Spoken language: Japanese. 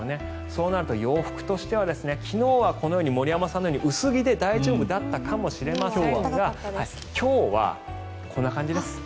そうなると、洋服としては昨日はこのように森山さんのように薄着で大丈夫だったかもしれませんが今日はこんな感じです。